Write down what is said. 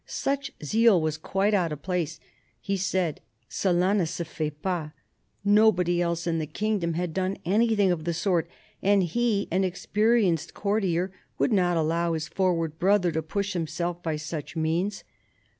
Such zeal was quite out of place, he said : Cela ne se fait pas : nobody else in the kingdom had done anything of the sort, and he, an experienced courtier, would not allow his forward brother to push himself by such means.